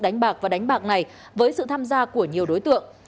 đánh bạc và đánh bạc này với sự tham gia của nhiều đối tượng